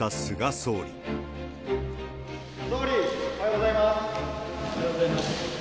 総理、おはようございます。